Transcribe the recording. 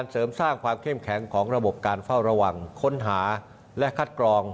เสริมสร้างความเข้มแข็งของระบบการเฝ้าระวังค้นหาและคัดกรอง